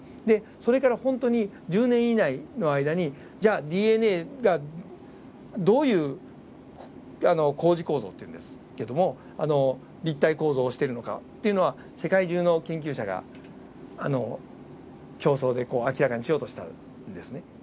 それからほんとに１０年以内の間にじゃあＤＮＡがどういう高次構造っていうんですけども立体構造をしているのかっていうのは世界中の研究者が競争で明らかにしようとしたんですね。